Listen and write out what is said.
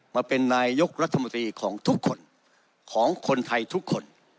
มาเป็นนายกรัฐมนตรีของทุกคนของคนไทยทุกคน